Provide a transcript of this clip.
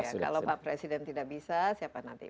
ya kalau pak presiden tidak bisa siapa nanti